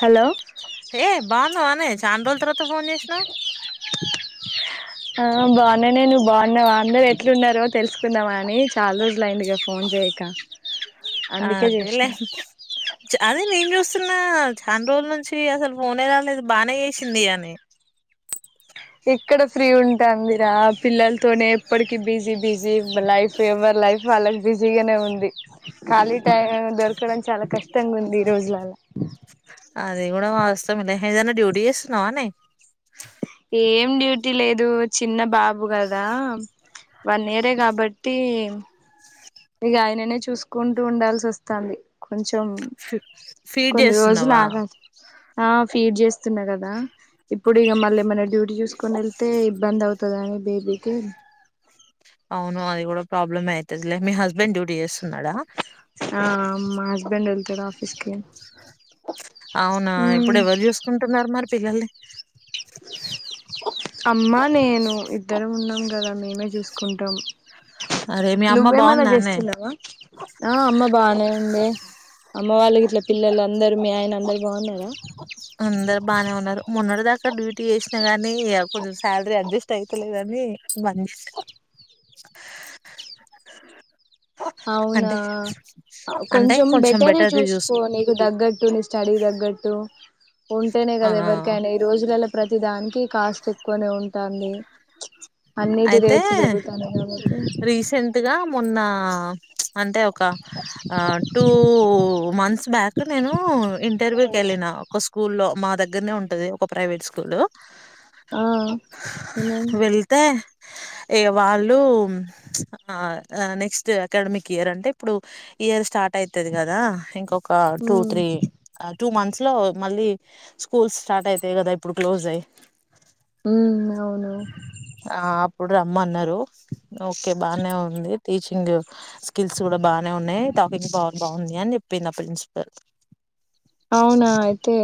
Hello ఏ బాగున్నావనే చానా రోజుల తర్వాత ఫోన్ చేసినావు హా బాగున్ననే నువ్వు బగున్నావానే వాంద ఎట్లున్నారో తెలుసుకుందామని చాలా రోజులులైందిగా ఫోన్ చేయక అందుకే అదేలే. చేసిన చ అదే నేను చూస్తున్నా చాన్ రోజుల నుంచి అసలు ఫోనే రాలేదు బానే చెసింది అని ఎక్కడ ఫ్రీ ఉంటాంది రా పిల్లలతోనే ఎప్పటికి బిజీ బిజీ ఉన్నారు లైఫ్ ఎవరి లైఫ్ వాళ్ళకి బిజీగానే ఉంది ఖాళీ టైం దొరకడం చాలా కష్టంగ ఉంది ఈ రోజులలో ఇది గుడ వాస్తవం అద డ్యూటీస్తున్నావానే డ్యూటి లేదు చిన్న బాబు కదా వన్ ఇయరే కాబట్టి ఇగ ఆయననే చూసుకుంటూ ఉండాల్సి వస్తుంది కొంచెం ఫీ ఫీడ్ కొన్ని రోజులు జేస్తున్నావా? ఆగాలి ఆ ఫీడ్ చేస్తున్న గదా ఇప్పుడు ఇక మళ్ళీ ఏమన్నా డ్యూటీ చూసుకొని వెళ్తే ఇబ్బంది అవుతుద అని బేబీకి అవును అది కూడా ప్రాబ్లం ఎ అయితాది లే మీ హస్బెండ్ డ్యూటీ చేస్తున్నాడా ఆఫీసుకి అవునా ఇప్పుడు ఎవరు చూసుకుంటున్నరు మరి పిల్లల్నే అమ్మా నేను ఇద్దరం ఉన్నం కదా మేమే చూసుకుంటం అరే మీ అమ్మ బాగుందానే ఆ అమ్మ బానే ఉందే అమ్మవాళ్ల ఇంట్లో పిల్లలు అందర మీ ఆయన అందరు బావున్నార అందరు బానే ఉన్నారు మొన్నట్ దాకా డ్యూటీ చేసినా గాని ఇగ కొంచెం శాలరీ అడ్జస్ట్ అయితలేదని బంద్ చేసిన అవునా అంటే కొంచం ఇంకొంచెం బెటరే బెటర్‌ది జూస్ చూసుకో నీకు తగ్గట్టు నీ స్టడీ తగ్గట్టు. ఉంటేనే ఆ కద ఎవరికైనా ఈ రోజులలో ప్రతి దానికి కాస్ట్ ఎక్కువనే ఉంటాంది. అన్నింటి అయితే రేట్స్ పెరుగుతన్నాయి కాబట్టి మొన్నా అంటే ఒక ఆ టూ మంత్స్ బ్యాక్ నేను ఇంటర్వ్యూ కెళ్ళిన ఒక స్కూల్లో మా దగ్గర్నే ఉంటది ఒక ప్రైవేట్ స్కూల్. ఆ ఏమైంది. వెళ్తే ఏ వాళ్ళు ఆ నెక్స్ట్ అకాడమిక్ ఇయర్ అంటే ఇప్పుడు ఇయర్ స్టార్ట్ అయితది గదా ఇంకొ ఒక టూ ఉమ్ త్రీ ఆ టూ మంత్స్. లో మళ్ళీ స్కూల్స్ స్టార్ట్ అయితాయి కదా ఇప్పుడు క్లోజ్ అయి. ఉమ్ అవును ఇప్పుడు రమ్మన్నారు ఓకే బానే ఉంది. టీచింగ్ స్కిల్స్ కూడా బానే ఉన్నాయి టాకింగ్ పవర్ బాగుంది అని చెప్పిందా ప్రిన్సిపల్. అవునా అయితే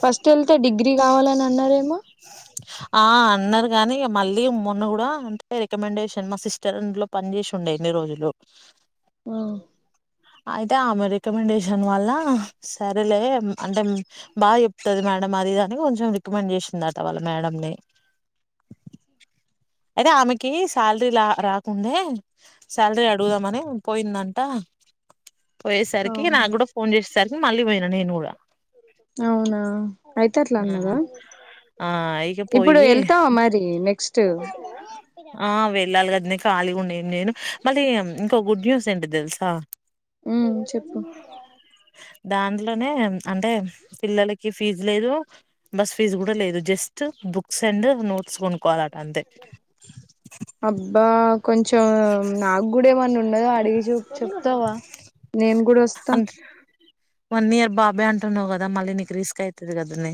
ఫస్ట్ ఎల్తే డిగ్రీ కావాలని అన్నారేమో. ఆ అన్నారు గాని ఇగ మళ్ళీ కూడా అంటే రికమెండేషన్ మా సిస్టర్ ఇంట్లో పని చేసి ఉండే ఎన్ని రోజులు. ఆ అయితే ఆమె రికమెండేషన్ వల్ల సరేలే అంటే బాగా చెప్తది. మేడం అది ఇది అని కొంచెం రికమెండ్ చేసిందట వాళ్ళ మేడం ని అయితే ఆమెకి శాలరీ రాకుండే సాలీరి అడుగుదామనే పోయిందంట. పోయేసరికి నాకు అవును కూడా ఫోన్ చేస్ సరికి మళ్ళీ పోయినా నేను కూడా అవునా అయితే అట్లా ఆహా అన్నదా ఆ ఇక ఇప్పుడు పోయి వెళ్తావా మరి నెక్స్ట్ ఆ వెేళ్ళల్ కాదనే. ఖాళీ ఉండి ఏం చేయాను మళ్ళీ ఇంకో గుడ్ న్యూస్ ఏంటి తెలుసా. ఉమ్ చెప్పు. దాంట్లోనే అంటే పిల్లలకి ఫీజు లేదు. బస్ ఫీజు కూడా లేదు జస్ట్ బుక్ సెండర్ నోట్ బుక్స్ కొనుక్కోలాట అంతే. అబ్బా కొంచెం నాకు కూడా ఏమన్నా ఉన్నదో అడిగి చూ చెప్తావా నేం కూడా వస్తా. అంట వన్ ఇయర్ బాబే అంటున్నావు కదా మళ్ళీ నీకు రిస్క్ అయితుంది వెంటనే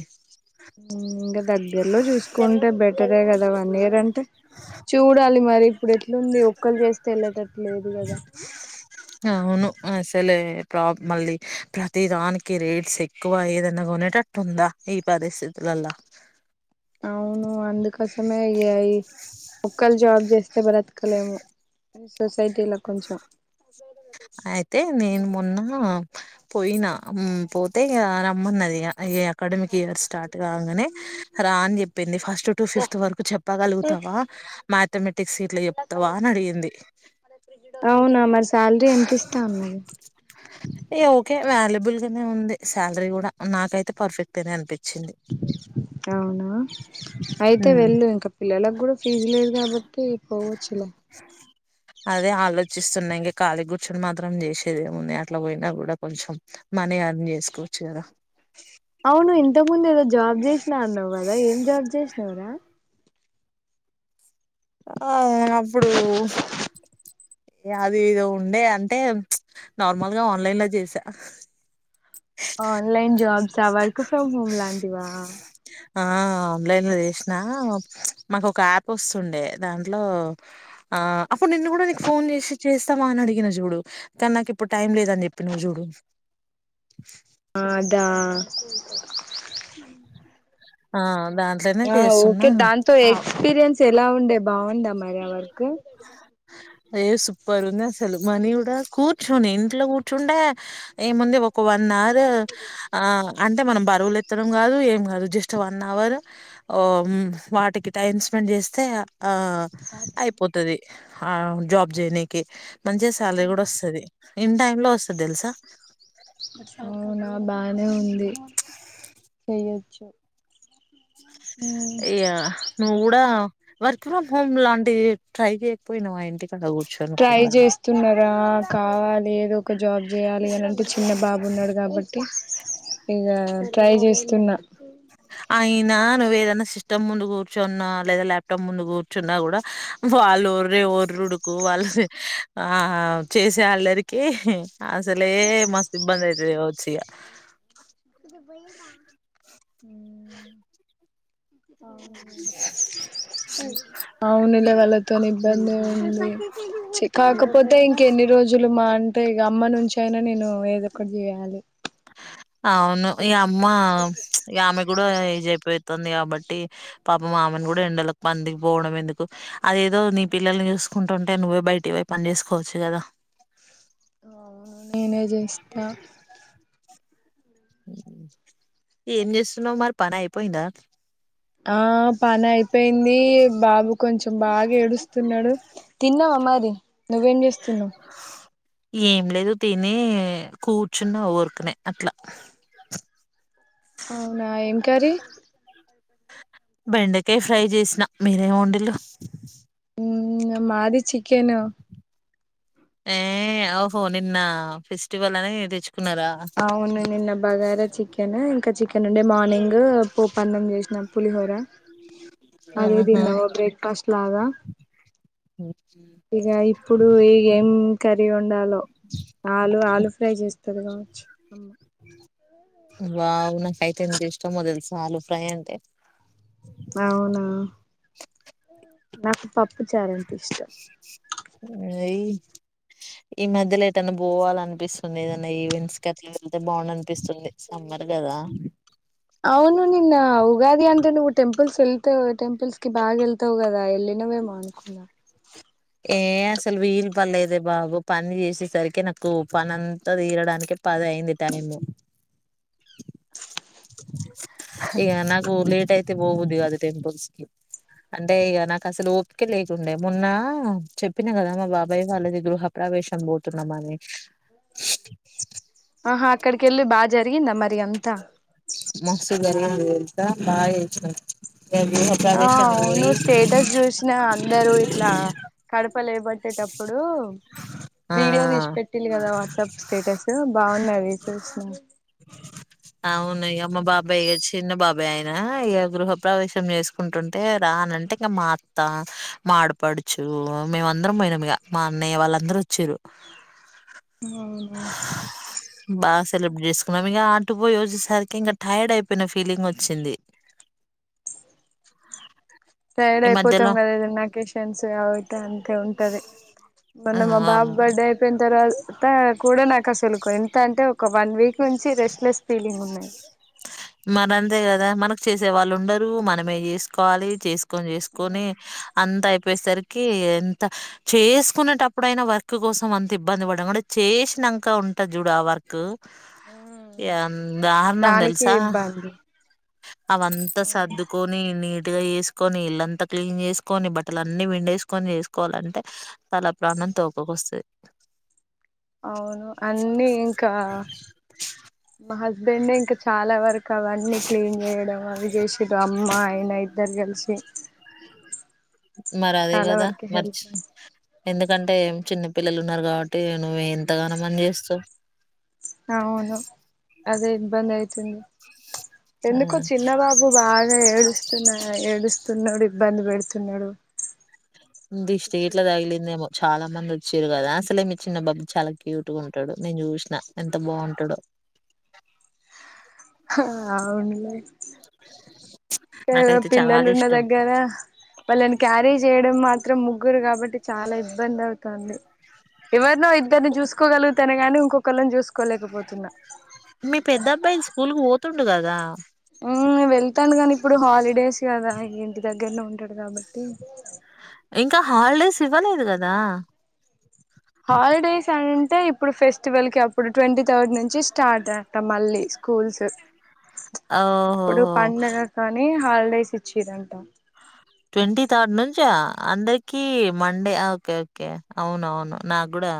ఇంకా దగ్గరలో చూసుకుంటే బెటరే కదా లేదన్ చూడాలి మరి ఇప్పుడు ఎట్లుంది ఒక్కలు చేస్తే వెళ్ళటం లేదుకదా అవును అసలే ప్రామలీ ప్రతి దానికి రేట్స్ ఎక్కువ ఏదన్నా కొనేటట్టు ఉందా ఈ పరిస్థితులల్లా అవును అందుకోసమే ఇయాయి ఒక్కలు జాబ్ చేస్తే బ్రతకలేము సొసైటీలో కొంచెం అయితే నేన్ మొన్న పోయినా హ్మ్ పోతే అరాం అమ్మ ఉన్నదిగా అయ్యేన్ అకాడమిక్ ఇయర్ స్టార్ట్ కాగానే రా అని చెప్పింది ఫస్ట్ టు ఫిఫ్త్ వరకు చెప్పగలుగుతావా మ్యాథమెటిక్స్ సీట్లు చెప్తావా అని అడిగింది అవునా మరి ఎంత శాలరీ ఎంతస్తామన్నారు ఇగ ఓకే వాల్యుబుల్ ఉంది శాలరీ కూడా నాకైతే పర్ఫెక్ట్ అని అనిపి అవునా అయితే ఉమ్, వెళ్ళు ఇంకా పిల్ల పిల్లలకు కూడా ఫీజు లేదు కాబట్టి పోవచ్చులే అదే ఆలోచిస్తున్నా ఇంకా ఖాళీగా కూర్చుని మాత్రం చేసేది ఏంముంది అట్లా పోయినా కూడా కొంచెం మనీ అర్న్ చేసుకోవచ్చు కదా ఇంతకుముందు ఏదో జాబ్ చేసినా అన్నావు కదా ఏం జాబ్ చేసినావురా ఆ అప్పుడు అది ఇదో ఉండే అంటే నార్మల్గా ఆన్లైన్ లో చేసా ఆన్లైన్ జాబ్సా వర్క్ ఫ్రమ్ హోమ్ లాంటివా ఆ ఆన్లైన్ లో చేసిన మాకు ఒక యాప్ వస్తుండే దాంట్లో ఆ అప్పుడు నిన్ను కూడా నీకు ఫోన్ చేసి చేస్తావా అని అడిగిన చూడు కానీ నాకు ఇప్పుడు టైం లేదని చెప్పినావ్ చూడు అదా ఆ దాంట్లోనే ఆ ఓకే చేస్తున్నా దాంతో ఆ ఎక్స్పీరియన్స్ ఎలా ఉండే బాగుండా మ మరి వర్క్ ఏయ సూపర్ గా ఉంది అసలు మనీ కూడా కూర్చొని ఇంట్లో కూర్చుండ ఏముంది ఒక వన్ హవర్ ఆ అంటే మనం బరువులుత్తడం కాదు ఏం కాదు జస్ట్ వన్ అవర్ వాటికి టైం స్పెండ్ చేస్తే ఆ అయిపోతాది ఆ జాబ్ జేయినికే మంచి సాలరీ కూడా వస్తాది ఇన్ టైమ్ లో వస్తుది తెలుసా అవునా బానే చూ ఇయ నువ్ కూడా వర్క్ ఫ్రమ్ హోమ్ లాంటి ట్రై చేయకపోయినావ ఇంటి ట్రై చేస్తున్నారా కావాలి ఏదో ఒక జాబ్ చేయాలి అని అంటే చిన్న బాబు ఉన్నాడు కాబట్టి ఇక ట్రై చేస్ స్తున్న అయినా నువ్ ఏదైనా సిస్టమ్ ముందు కూర్చున్నా లేదా ల్యాప్టాప్ ముందు కూర్చున్నా కూడా వాళ్ళు ఓర్రే ఓర్రుడుకు వాళ్ళు ఆ చేసే వాళ్ళరికి అసలే మస్తు ఇబ్బంది అయితేవచ్చు ఇక ఇది బయమా [unintelligible] అవును అవును [unintelligible] వాళ్ళతో ఇబ్బంది ఉంది కాకపోతే ఇంకెన్ని రోజులు మా అంటే ఇగ అమ్మ నుంచి అయినా నేను ఏదోక్కటి జేయాలి అవును ఈ అమ్మ ఈ ఆమె కూడా [unintelligible] పోతుంది కాబట్టి పాపం ఆమె కూడా ఎండలకు కాబట్టి పందిపోవడం ఎందుకు అది ఏదో నీ పిల్లల్ని చూసుకుంటుంటే నువ్వే బయటి పోయి పని చేేసుకోవచ్చు కదా ఆ నేనే చేస్తా ఏం చేస్తున్నావు మరి పని అయిపోయిందా ఆ పని అయిపోయింది బాబు కొంచెం బాగా ఏడుస్తున్నాడు తిన్నావా మరి నువ్వేం చేస్ ఏం లేదు తిని కూర్చున్నా ఊరికనే అట్లా అవునా ఏం కర్రీ బెండకాయ ఫ్రై చేసిన మీరేం వండిల్లు హ్మ్మ్ మాది చికెను ఏ అఓహో నిన్న ఫెస్టివల్ అనే తేచ్ అవును నిన్న బగార చిక్ కెనా ఇంకా చిక్ [unintelligible] మార్నింగ్ పప్పన్నం చేసిన పులిహోర అదే ఆహా తిన్నావా బ్రేక్ ఫాస్ట్ లాగా ఇక ఇప్పుడు ఈగ కరి వండాలా ఆలు ఆలు ఫ్రై చేస్తది కావచ్చు అమ్మ వావ్ నాకైతే ఎంత ఇష్టమో తెలుసా ఆలు ఫ్రై అంటే అవునా నాకు పప్పుచారు అంటె ఇష్టం అయి ఈ మధ్యలో ఏటన్నా పోవాల అనిపిస్తుంది ఏదన్నా ఈవెంట్స్ కట్లా వెళ్తే బావున్నని అవును నిన్న ఉగాది అంటె నువ్వు టెంప్ పుల్స్ వెళ్తావు టెంపుల్స్ కి బాగా వెళ్తావు కదా వెళ్ళినావేమో అనుకునా ఏ అసలు వీలు పడలేదే బాబు పని చేసేసరికి నాకు పనింతా తీరడానికి పది అయింది టైము ఇక నాకు లేట్ అయితే పోబుద్ది కాదు టెంపుల్స్ కి అంటే ఇక నాకు అసలు ఓపికే లేకుండే మొన్న చెప్పినా కదామ్ మా బాబాయ్య వాళ్ళది గృహపవేశం పోతున్నామని ఆ అక్కడికెళ్లి బా జరిగిందా మరి అంతా మస్తు జరిగింది అంతా బాగా ఇగ గృహ ఆ ప్రవేశానికి అవును పోయి స్టేటస్ చూసినా అందరూ ఇట్లా క పప్పలేబట్టేటప్పుడు ఆ వీడియో తీసి పెట్టిళ్లు కదా వాట్సాప్ స్టేటస్ బాగున్నది చూసిన అవునయ్య మా బాబాయ్ ఎచ్ చిన్న బాబాయ్ ఆయన ఏ గృహపవేశం చేసుకుంటుంటే రా అనంటే ఇంకా మా అత్తా మా ఆడపడుచు మేము అందరం పోయినాం ఇక మా అన్నయ్య వాళ్ళందరూ చిరు అవునా బా సెలెబ్రేట్ చేసుకున్నాం ఇక చుట్టు పోయి వచ్చేసరికి ఇంకా టైర్డ్ అయిపోయిన ఫీలింగ్ వచ్చింది టైడ్ ఈ అయిపోతాం మధ్యలో కదా ఏదన్నా అకేషన్స్ అయితే అంతే ఉంటది మొన్న మా బాబు ఆ బర్డే ఐపోయి తర్వాత కూడా నాకు అసలకు ఎంత అంటే ఒక వన్ వీక్ నుంచి రెస్ట్ లెస్ ఫీలింగ్ ఉన్నాది మరంతే కదా మనకు చేసే వాళ్ళు ఉండరు మనమే చేసుకోవాలి చేస్క్ ఆ చేసుకొని అంతా అయి చెప్పేసరికి ఎంత చేసుకునేటప్పుడు అయినా వర్క్ కోసం అంత ఇబ్బంది పడం కూడా చేసినంక ఉంటుంది చూడు ఆ వర్క్ ఎంత దారుణం దానికి తెల్స ఇబ్బంది అవంతా సర్దుకని నీట్ గా చేసుకొని ఇల్లంతా క్లీన్ చేసుకొని బట్టలు అన్ని పిండేసుకొని చేసుకోవాలంటే తల ప్రాణం తొకకొస్తాది అవును అన్నీ ఇంకా మా హస్బెండ్ ఎ ఇంకా చాలా వరకు అవన్నీ క్లీన్ చేయడం అవి చేషడు అమ్మ ఆయన ఇద్దరు కలిసి మరి అదే చాలా కదా వరకు మర్చ హెల్ప్ ఎందుకంటే ఏం చిన్న పిల్లలు ఉన్నారు కాబట్టి నువ్వు ఎంతగనం మని చేస్తావు అవును అదే ఇబ్బందిఅయితుంది ఆ ఎందుకో చిన్నబాబు బాగా ఏడుస్తున్నా ఏడుస్తున్నాడు ఇబ్బందిపెడుతునడు దిష్టి గిట్ల తగిలింది మో చాలా మంది వచ్చారు కదా అసలే మీ చిన్న బాబ్బు చాలా క్యూట్ గా ఉంటాడు నేను చూసినా ఎంత బాగుంటాడు ఆ అవునులే నాకైతే పిల్లలు చాలా ఉన్న ఇష్టం దగ్గర వాళ్ళని క్యారీ చేయడం మాత్రం ఇ ముగ్గురు కాబట్టి చాలా ఇబ్బంది అవుతుంది. ఎవరినో ఇద్దరిని చూసుకోగలుగుతాను గానీ ఇంకొకళ్ళని చూసుకోలేకపోతున్నా. తుండు కదా. హ్మ్ వెళ్తాండు గాని ఇప్పుడు హాలిడేస్ కదా ఇంగా ఇంటి దగ్గరనే ఉం టడు కాబట్టి ఇంకా హాలిడేస్ ఇవ్వలేదు కదా. హాలిడేస్ అంటే ఇప్పుడు ఫెస్టివల్ కి అప్పుడు ట్వంటీ థర్డ్ నుంచి స్టార్ట్ అంట మళ్ళీ స్కూల్స్. ఇప్పుడు ఓహోహో పండగ కానీ హాలిడేస్ ఇచ్చిరు అం ట ట్వంటీ థర్డ్ నుంచా అందరికిీ మండే ఓకే ఓకే అవున అవును నాకు కూడా